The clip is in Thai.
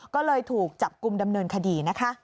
ก็เลยถูกจับกลุ่มดำเนินคดีนะคะ